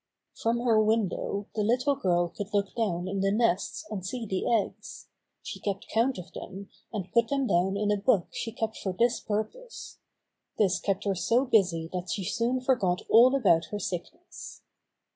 From her window the little girl could look down in the nests and see the eggs. She kept count of them, and put them down in a book she kept for this purpose. This kept her so busy that she soon forgot all about her sick ness.